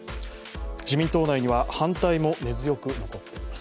自民党内は反対も根強く残っています。